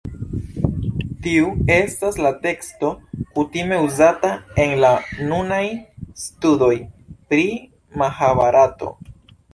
Tiu estas la teksto kutime uzata en la nunaj studoj pri Mahabarato.